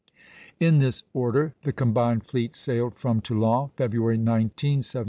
In this order the combined fleets sailed from Toulon February 19, 1744.